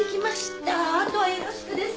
後はよろしくです。